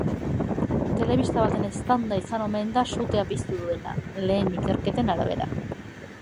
Telebista baten eztanda izan omen da sutea piztu duena, lehen ikerketen arabera.